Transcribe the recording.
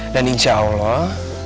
dan insya allah